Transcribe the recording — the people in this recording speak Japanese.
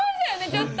ちょっと。